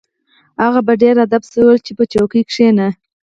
هغه په ډیر ادب سره وویل چې په څوکۍ کښیني